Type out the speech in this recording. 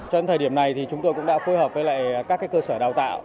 trên thời điểm này thì chúng tôi cũng đã phối hợp với các cơ sở đào tạo